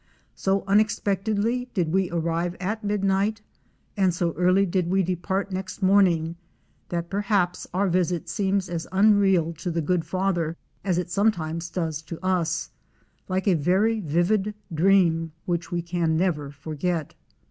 So unexpectedly did we arrive at midnight, and so early did we depart next morn ing that perhaps our visit seems as unreal to the good Father as it sometimes does to us —like a very vivid dream which we can never forget.